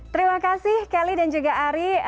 terima kasih kelly dan juga ari